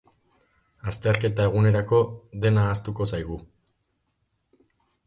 Azterketa egunerako dena ahaztuko zaigu.